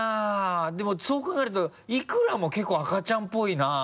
でもそう考えると伊倉も結構赤ちゃんっぽいな。